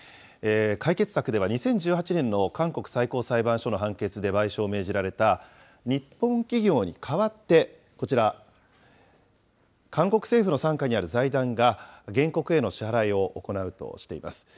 解決策では２０１８年の韓国最高裁判所の判決で賠償を命じられた、日本企業に代わって、こちら、韓国政府の傘下にある財団が、原告への支払いを行うとしています。